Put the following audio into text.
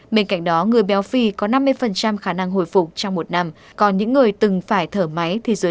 bên cạnh đó người béo phi có năm mươi khả năng hồi phục trong một năm còn những người từng phải thở máy thì dưới năm mươi tám